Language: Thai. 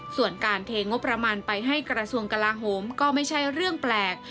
ส่วนการเทงบประมาณไปให้กระทรวงกลาโหมก็ไม่ใช่เรื่องแปลก